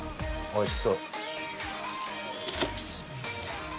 あおいしそう。